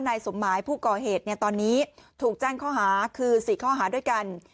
นายสมหมายผู้ก่อเหตุตอนนี้ถูกแจ้งข้อหาคือ๔ข้อหาด้วยกัน